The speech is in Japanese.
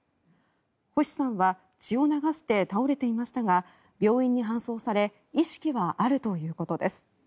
星さんは血を流して倒れていましたが病院に搬送され意識はあるということです。